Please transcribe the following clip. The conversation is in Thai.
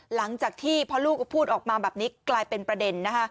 หลังจากที่พอลูกพูดออกมาแบบนี้กลายเป็นประเด็น